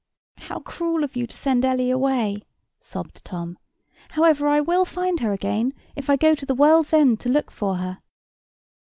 "How cruel of you to send Ellie away!" sobbed Tom. "However, I will find her again, if I go to the world's end to look for her."